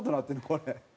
これ。